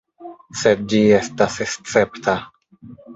Sed ĝi estas escepta.